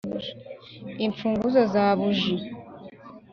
Imfunguzo za buji